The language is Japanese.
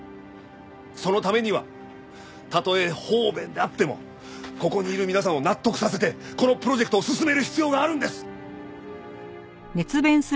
そのためにはたとえ方便であってもここにいる皆さんを納得させてこのプロジェクトを進める必要があるんです！